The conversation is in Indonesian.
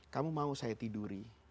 kamu mau saya tiduri